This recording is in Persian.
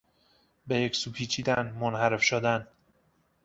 به یک سو پیچیدن، منحرف شدن